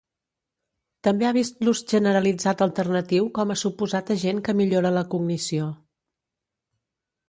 També ha vist l'ús generalitzat alternatiu com a suposat agent que millora la cognició.